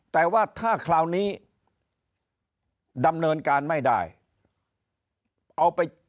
แต่ว่าถ้าคราวนี้ดำเนินการไม่ได้เอาไป